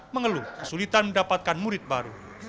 mengeluh kesulitan mendapatkan murid baru